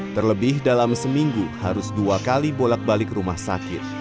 terlebih dalam seminggu harus dua kali bolak balik rumah sakit